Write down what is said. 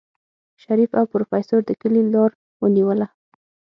شريف او پروفيسر د کلي لار ونيوله.